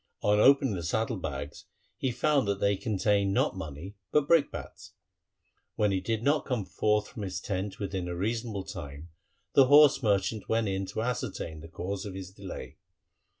On opening the saddle bags he found that they contained not money but brick bats. When he did not come forth from his tent within a reasonable time, the horse merchant went in to ascertain the cause of his delay.